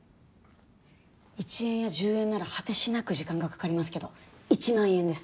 １円や１０円なら果てしなく時間がかかりますけど１万円です。